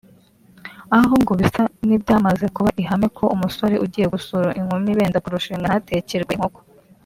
aho ngo bisa n’ibyamaze kuba ihame ko umusore ugiye gusura inkumi benda kurushinga ntatekerwe inkoko